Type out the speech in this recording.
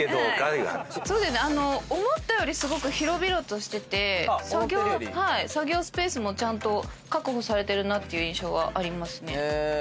思ったよりすごく広々としてて作業スペースもちゃんと確保されてるなっていう印象はありますね。